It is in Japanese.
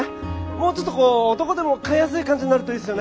もうちょっとこう男でも買いやすい感じになるといいっすよね。